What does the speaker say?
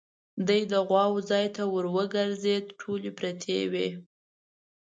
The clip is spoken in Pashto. دی د غواوو ځای ته ور وګرځېد، ټولې پرتې وې.